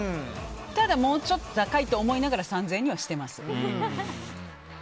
ただ、もうちょっと高いと思いながら３０００円にはしてます。